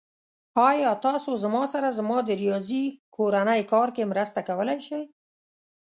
ایا تاسو زما سره زما د ریاضی کورنی کار کې مرسته کولی شئ؟